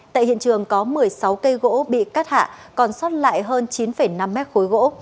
tại hiện trường có một mươi sáu cây gỗ bị cắt hạ còn sót lại hơn chín năm mét khối gỗ